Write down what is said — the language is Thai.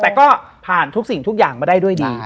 แต่ก็ผ่านทุกสิ่งทุกอย่างมาได้ด้วยดี